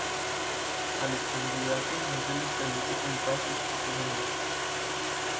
A los candidatos no se les permite comprar sus propios anuncios.